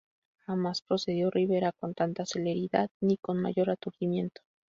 Jamás procedió Rivera con tanta celeridad ni con mayor aturdimiento.